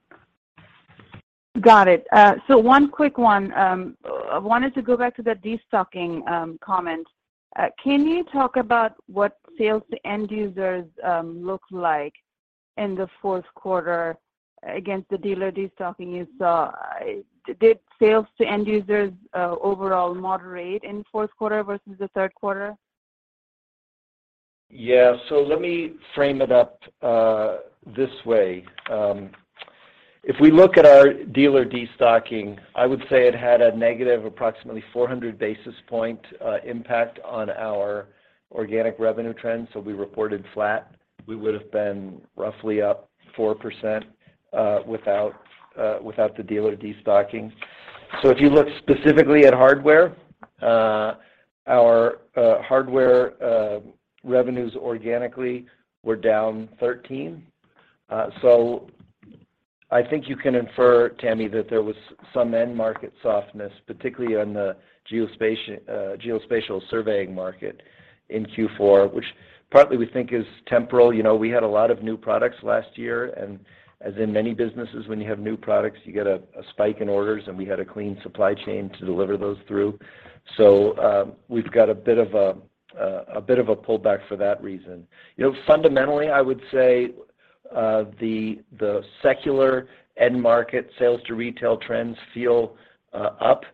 Got it. One quick one. I wanted to go back to the destocking comment. Can you talk about what sales to end users look like in the Q4 against the dealer destocking you saw? Did sales to end users overall moderate in Q4 versus the Q3? Yeah. Let me frame it up this way. If we look at our dealer destocking, I would say it had a negative approximately 400 basis point impact on our organic revenue trends, so we reported flat. We would have been roughly up 4% without the dealer destocking. If you look specifically at hardware, our hardware revenues organically were down 13. I think you can infer, Tami, that there was some end market softness, particularly on the geospatial surveying market in Q4, which partly we think is temporal. You know, we had a lot of new products last year, and as in many businesses, when you have new products, you get a spike in orders, and we had a clean supply chain to deliver those through. We've got a bit of a pullback for that reason. You know, fundamentally, I would say, the secular end market sales to retail trends feel up,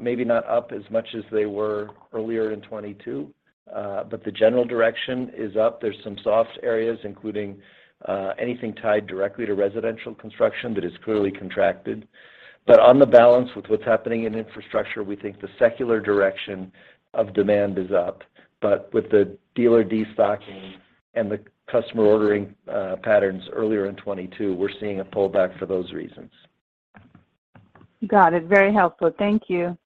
maybe not up as much as they were earlier in 2022, but the general direction is up. There's some soft areas, including anything tied directly to residential construction that is clearly contracted. On the balance with what's happening in infrastructure, we think the secular direction of demand is up. With the dealer destocking and the customer ordering patterns earlier in 2022, we're seeing a pullback for those reasons. Got it. Very helpful. Thank you.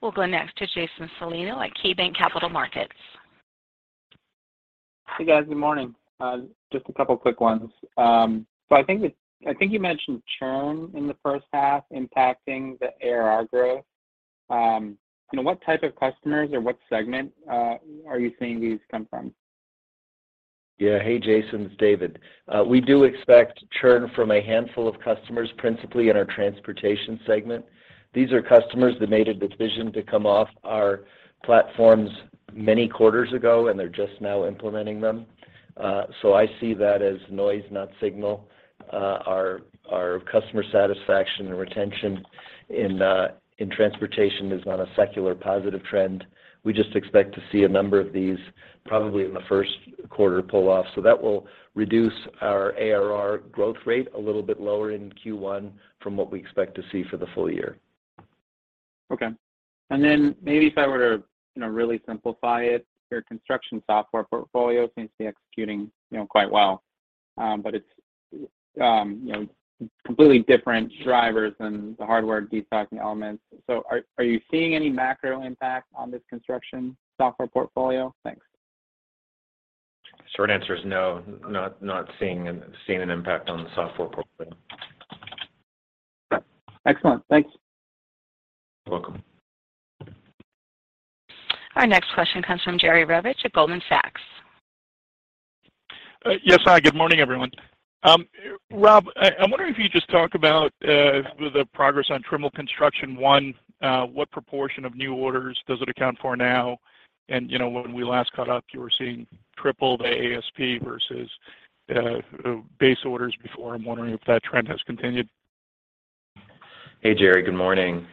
We'll go next to Jason Celino at KeyBanc Capital Markets. Hey, guys. Good morning. Just a couple quick ones. I think you mentioned churn in the first half impacting the ARR growth. You know, what type of customers or what segment are you seeing these come from? Yeah. Hey, Jason, it's David. We do expect churn from a handful of customers, principally in our transportation segment. These are customers that made a decision to come off our platforms many quarters ago, and they're just now implementing them. I see that as noise, not signal. Our customer satisfaction and retention in transportation is on a secular positive trend. We just expect to see a number of these probably in the Q1 pull off. That will reduce our ARR growth rate a little bit lower in Q1 from what we expect to see for the full year. Okay. Maybe if I were to, you know, really simplify it, your construction software portfolio seems to be executing, you know, quite well. It's, you know, completely different drivers than the hardware de-stocking elements. Are you seeing any macro impact on this construction software portfolio? Thanks. Short answer is no, not seeing an impact on the software portfolio. Okay. Excellent. Thanks. You're welcome. Our next question comes from Jerry Revich at Goldman Sachs. Yes, hi, good morning, everyone. Rob, I'm wondering if you could just talk about the progress on Trimble Construction One, what proportion of new orders does it account for now? You know, when we last caught up, you were seeing triple the ASP versus base orders before. I'm wondering if that trend has continued. Hey, Jerry. Good morning.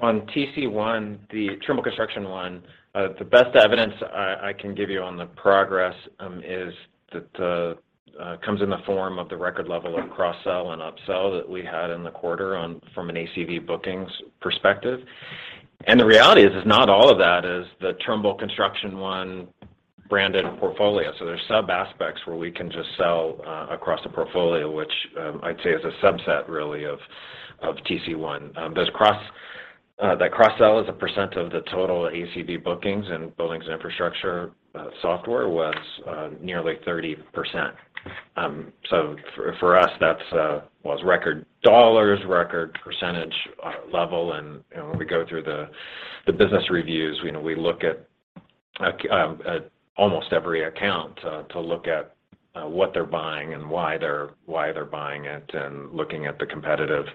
On TC1, the Trimble Construction One, the best evidence I can give you on the progress is that comes in the form of the record level of cross-sell and upsell that we had in the quarter from an ACV bookings perspective. The reality is not all of that is the Trimble Construction One branded portfolio. There's sub-aspects where we can just sell across the portfolio, which, I'd say is a subset really of TC1. There's that cross-sell is a percent of the total ACV bookings and buildings infrastructure software was nearly 30%. For us, that's was record dollars, record percentage level. You know, when we go through the business reviews, you know, we look at almost every account to look at what they're buying and why they're, why they're buying it and looking at the competitive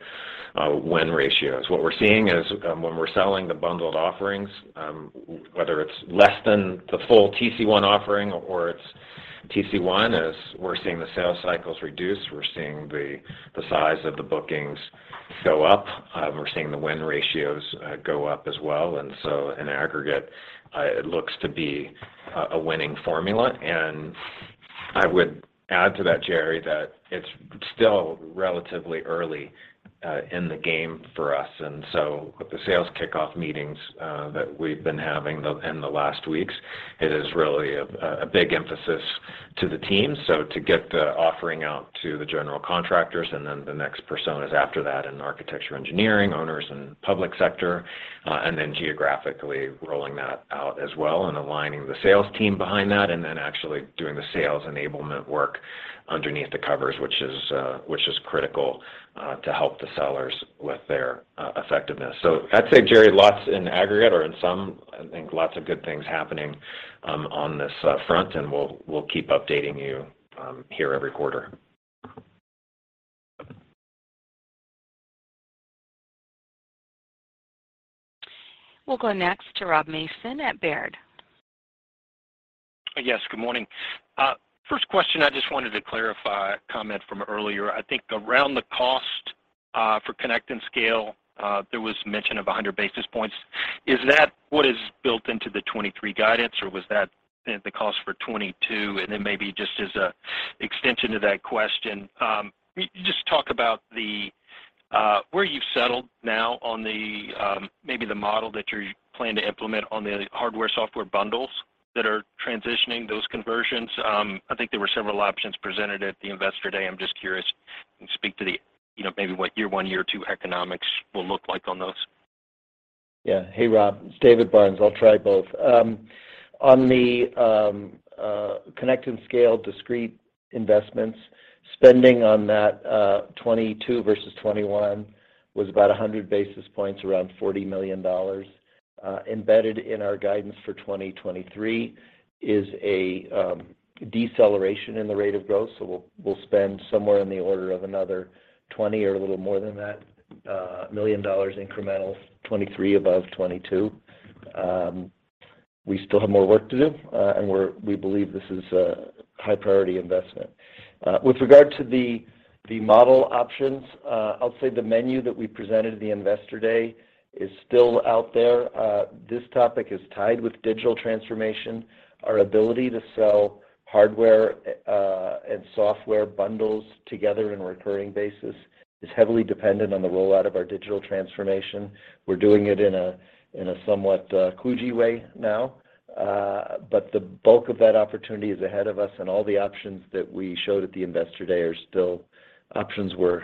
win ratios. What we're seeing is, when we're selling the bundled offerings, whether it's less than the full TC1 offering or it's TC1, is we're seeing the sales cycles reduce, we're seeing the size of the bookings go up, we're seeing the win ratios go up as well. In aggregate, it looks to be a winning formula. I would add to that, Jerry, that it's still relatively early in the game for us. With the sales kickoff meetings, that we've been having in the last weeks, it is really a big emphasis to the team. To get the offering out to the general contractors, and then the next personas after that in architecture, engineering, owners, and public sector, and then geographically rolling that out as well and aligning the sales team behind that, and then actually doing the sales enablement work underneath the covers, which is critical to help the sellers with their effectiveness. I'd say, Jerry, lots in aggregate or in sum, I think lots of good things happening on this front, and we'll keep updating you here every quarter. We'll go next to Rob Wertheimer at Baird. Yes. Good morning. First question, I just wanted to clarify a comment from earlier. I think around the cost for Connect and Scale, there was mention of 100 basis points. Is that what is built into the 2023 guidance, or was that the cost for 2022? Maybe just as a extension to that question, can you just talk about where you've settled now on the maybe the model that you plan to implement on the hardware, software bundles that are transitioning those conversions? I think there were several options presented at the Investor Day. I'm just curious. Can you speak to the, you know, maybe what year one, year two economics will look like on those? Yeah. Hey, Rob. It's David Barnes. I'll try both. On the Connect and Scale discrete investments, spending on that 2022 versus 2021 was about 100 basis points, around $40 million. Embedded in our guidance for 2023 is a deceleration in the rate of growth. We'll spend somewhere in the order of another $20 million or a little more than that incremental, 2023 above 2022. We still have more work to do, and we believe this is a high priority investment. With regard to the model options, I'll say the menu that we presented at the Investor Day is still out there. This topic is tied with digital transformation. Our ability to sell hardware and software bundles together in a recurring basis is heavily dependent on the rollout of our digital transformation. We're doing it in a somewhat agile way now. The bulk of that opportunity is ahead of us, and all the options that we showed at the Investor Day are still options we're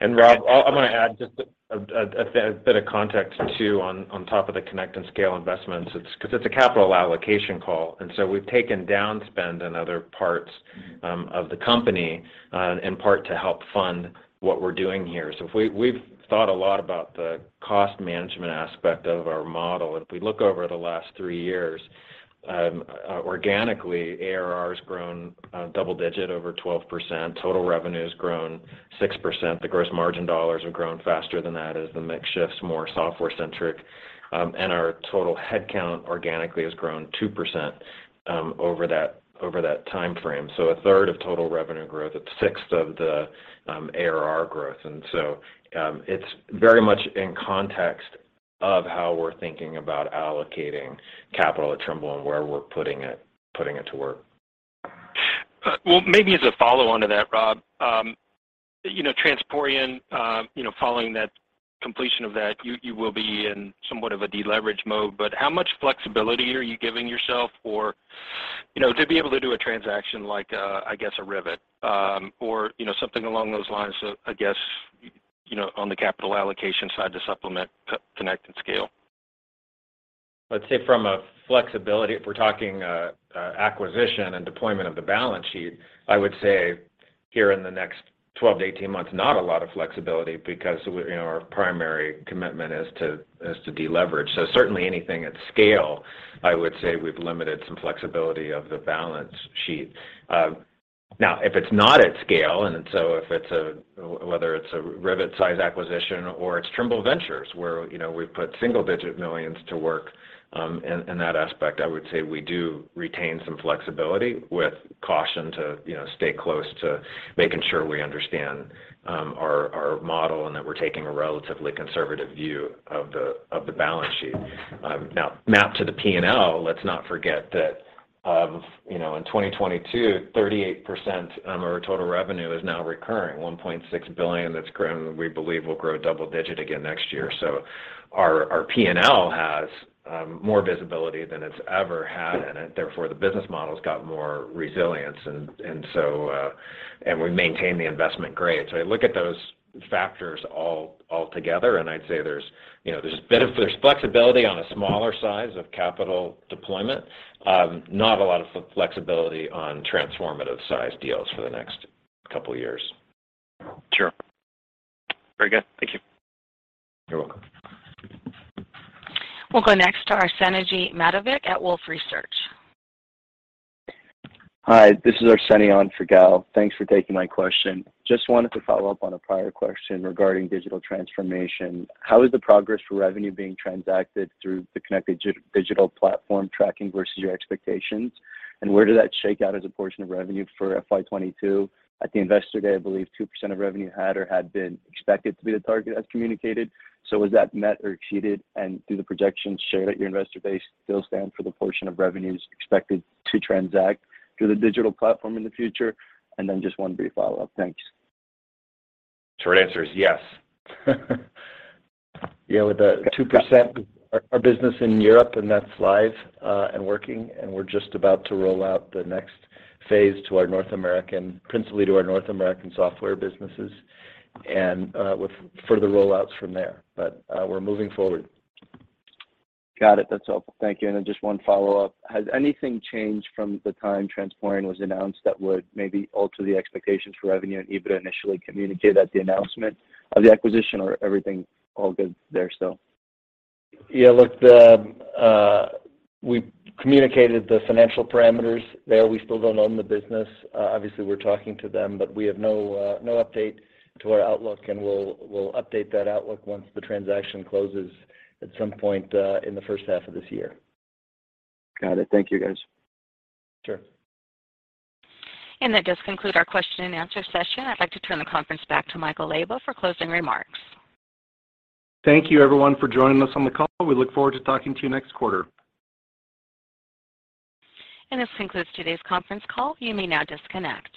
considering. Rob, I'm gonna add just a bit of context too on top of the Connect and Scale investments. 'Cause it's a capital allocation call, we've taken down spend in other parts of the company in part to help fund what we're doing here. We've thought a lot about the cost management aspect of our model. If we look over the last three years, organically, ARR has grown double digit over 12%. Total revenue has grown 6%. The gross margin dollars have grown faster than that as the mix shifts more software-centric. And our total headcount organically has grown 2% over that timeframe. A third of total revenue growth, a sixth of the ARR growth. It's very much in context of how we're thinking about allocating capital at Trimble and where we're putting it to work. Well, maybe as a follow-on to that, Rob, you know, Transporeon, you know, following that completion of that, you will be in somewhat of a deleverage mode. How much flexibility are you giving yourself for, you know, to be able to do a transaction like, I guess a Ryvit, or, you know, something along those lines, I guess, you know, on the capital allocation side to supplement Connect and Scale? Let's say from a flexibility, if we're talking acquisition and deployment of the balance sheet, I would say here in the next 12 to 18 months, not a lot of flexibility because we, you know, our primary commitment is to deleverage. Certainly anything at scale, I would say we've limited some flexibility of the balance sheet. Now if it's not at scale, if it's whether it's a Ryvit-size acquisition or it's Trimble Ventures, where, you know, we've put single-digit millions to work, in that aspect, I would say we do retain some flexibility with caution to, you know, stay close to making sure we understand our model and that we're taking a relatively conservative view of the balance sheet. Now mapped to the P&L, let's not forget that, you know, in 2022, 38% of our total revenue is now recurring, $1.6 billion that's grown, and we believe will grow double-digit again next year. Our P&L has more visibility than it's ever had, and therefore, the business model's got more resilience. We maintain the investment grade. I look at those factors all together, and I'd say there's, you know, there's flexibility on a smaller size of capital deployment, not a lot of flexibility on transformative size deals for the next couple of years. Sure. Very good. Thank you. You're welcome. We'll go next to Arseny Pletnev at Wolfe Research. Hi, this is Arseny on for Gal. Thanks for taking my question. Wanted to follow up on a prior question regarding digital transformation. How is the progress for revenue being transacted through the connected digital platform tracking versus your expectations? Where did that shake out as a portion of revenue for FY 22? At the Investor Day, I believe 2% of revenue had been expected to be the target as communicated. Was that met or exceeded? Do the projections shared at your investor base still stand for the portion of revenues expected to transact through the digital platform in the future? Just one brief follow-up. Thanks. Short answer is yes. Yeah. With the 2%, our business in Europe, and that's live, and working, and we're just about to roll out the next phase principally to our North American software businesses, and with further rollouts from there. We're moving forward. Got it. That's all. Thank you. Just 1 follow-up. Has anything changed from the time Transporeon was announced that would maybe alter the expectations for revenue and EBITDA initially communicated at the announcement of the acquisition or everything all good there still? Yeah. Look, the, we communicated the financial parameters there. We still don't own the business. Obviously, we're talking to them, but we have no update to our outlook, and we'll update that outlook once the transaction closes at some point, in the first half of this year. Got it. Thank you, guys. Sure. That does conclude our question and answer session. I'd like to turn the conference back to Michael Leyba for closing remarks. Thank you, everyone, for joining us on the call. We look forward to talking to you next quarter. This concludes today's conference call. You may now disconnect.